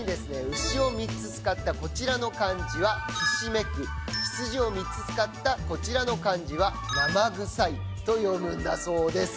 「牛」を３つ使ったこちらの漢字は「羊」を３つ使ったこちらの漢字はと読むんだそうです